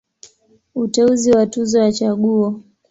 Uteuzi wa Tuzo ya Chaguo.